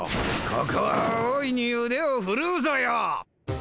ここは大いにうでをふるうぞよ！